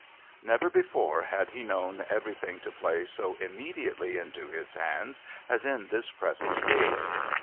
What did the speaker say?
Never before had he known everything to play so immediately into his hands as in this present case.